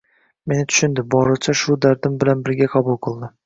Meni tushundi, borimcha, shu dardim bilan birga qabul qildi